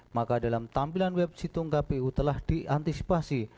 maka dalam tampilan web situng kpu telah diantisipasi